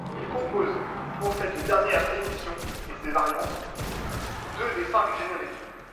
Il compose, pour cette dernière émission et ses variantes, deux des cinq génériques.